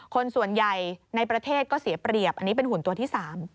คนส่วนใหญ่ในประเทศก็เสียเปรียบอันนี้เป็นหุ่นตัวที่๓